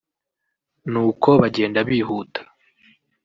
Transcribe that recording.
“Nuko bagenda bihuta